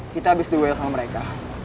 kita abis duel sama mereka